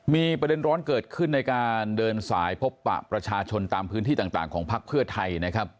มีประเด็นร้อนเกิดขึ้นในการเดินสายพบปะประชาชนตามพื้นที่ต่างของพักเพื่อไทยนะครับ